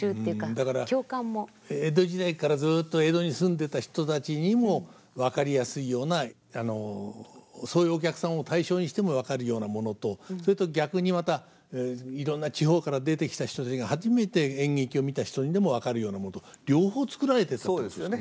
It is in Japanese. だから江戸時代からずっと江戸に住んでた人たちにも分かりやすいようなそういうお客さんを対象にしても分かるようなものとそれと逆にまたいろんな地方から出てきた人たちが初めて演劇を見た人にでも分かるようなものと両方作られてたってことですね。